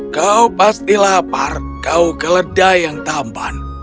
kau pasti lapar kau kelelahan